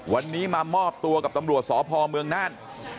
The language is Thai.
วันนี้มามอบตัวกับตำรวจสพเมืองน่าน